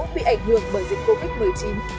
bị ảnh hưởng bởi dịch covid một mươi chín